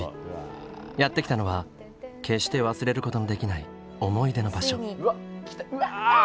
やって来たのは決して忘れることのできない思い出の場所。